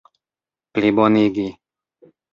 plibonigi